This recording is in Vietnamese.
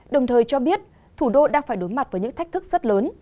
đồng thời cho biết thủ đô đang phải đối mặt với những thách thức rất lớn